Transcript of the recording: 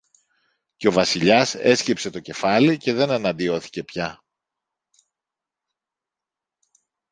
Και ο Βασιλιάς έσκυψε το κεφάλι και δεν εναντιώθηκε πια.